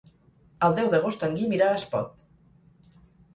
El deu d'agost en Guim irà a Espot.